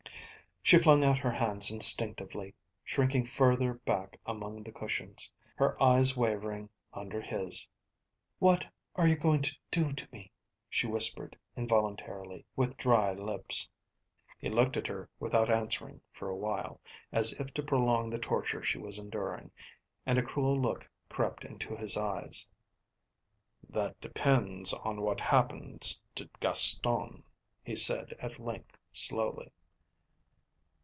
She flung out her hands instinctively, shrinking further back among the cushions, her eyes wavering under his. "What are you going to do to me?" she whispered involuntarily, with dry lips. He looked at her without answering for a while, as if to prolong the torture she was enduring, and a cruel look crept into his eyes. "That depends on what happens to Gaston," he said at length slowly.